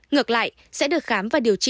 ngược lại sẽ được khám và điều trị